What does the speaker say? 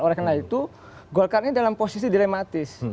oleh karena itu golkar ini dalam posisi dilematis